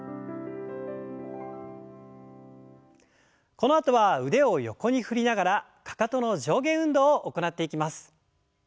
このあとは腕を横に振りながらかかとの上下運動を行っていきます。